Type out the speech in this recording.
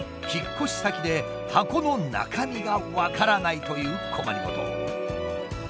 引っ越し先で箱の中身が分からないという困り事。